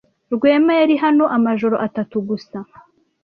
Rwema yari hano amajoro atatu gusa.